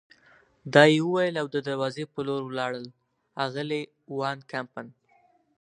دا یې وویل او د دروازې په لور ولاړل، اغلې وان کمپن.